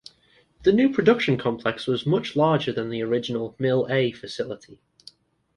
The new production complex was much larger that the original "Mill A" facility.